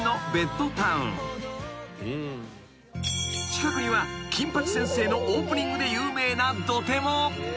［近くには『金八先生』のオープニングで有名な土手も］